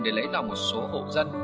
để lấy lòng một số hộ dân